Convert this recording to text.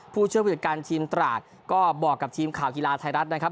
ผู้ช่วยผู้จัดการทีมตราดก็บอกกับทีมข่าวกีฬาไทยรัฐนะครับ